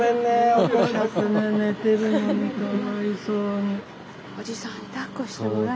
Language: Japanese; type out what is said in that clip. おじさんにだっこしてもらいなよ。